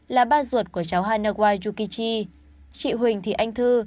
là ba ruột của cháu hanawayukichi chị huỳnh thị anh thư